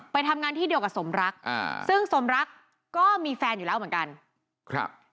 ไปทำงานที่เดียวกับสมรักอ่าซึ่งสมรักก็มีแฟนอยู่แล้วเหมือนกันครับ